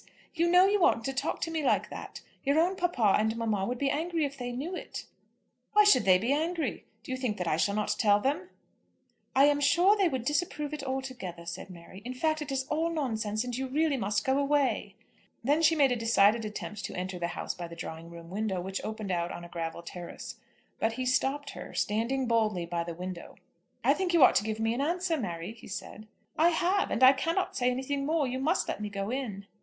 You know you oughtn't to talk to me like that. Your own papa and mamma would be angry if they knew it." "Why should they be angry? Do you think that I shall not tell them?" "I am sure they would disapprove it altogether," said Mary. "In fact it is all nonsense, and you really must go away." Then she made a decided attempt to enter the house by the drawing room window, which opened out on a gravel terrace. But he stopped her, standing boldly by the window. "I think you ought to give me an answer, Mary," he said. "I have; and I cannot say anything more. You must let me go in."